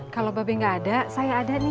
kalau babi gak ada saya ada nih